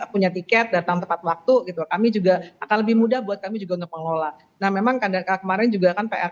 punya tiket datang tepat waktu gitu kami juga akan lebih mudah buat kami juga untuk mengelola nah memang kemarin juga kan pr